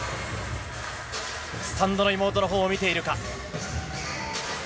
スタンドの妹のほうを見ているか。